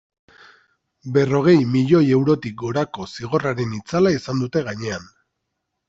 Berrogei milioi eurotik gorako zigorraren itzala izan dute gainean.